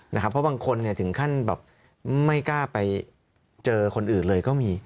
เพราะบางคนถึงขั้นแบบไม่กล้าไปเจอคนอื่นเลยก็มี